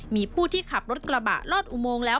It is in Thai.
มีผู้ที่ขับรถกระบะลอดอุโมงแล้ว